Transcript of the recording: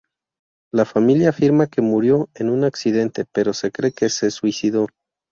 La familia afirma que murió en un accidente, pero se cree que se suicidó.